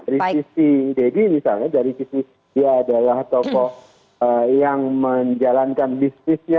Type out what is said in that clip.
risisi ddi misalnya dari sisi dia adalah tokoh yang menjalankan bisnisnya